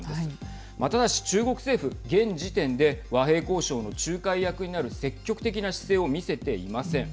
ただし中国政府、現時点で和平交渉の仲介役になる積極的な姿勢を見せていません。